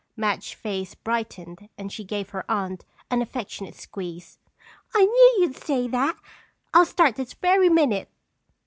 Madge's face brightened and she gave her aunt an affectionate squeeze. "I knew you'd say that! I'll start this very minute!"